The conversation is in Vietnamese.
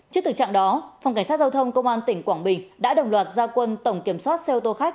trước thực trạng đó phòng cảnh sát giao thông công an tỉnh quảng bình đã đồng loạt gia quân tổng kiểm soát xe ô tô khách